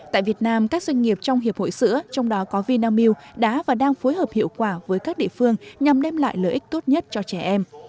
tại việt nam các doanh nghiệp trong hiệp hội sữa trong đó có vinamilk đã và đang phối hợp hiệu quả với các địa phương nhằm đem lại lợi ích tốt nhất cho trẻ em